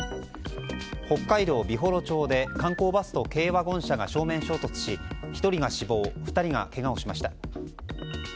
北海道美幌町で観光バスと軽ワゴン車が正面衝突し、１人が死亡２人がけがをしました。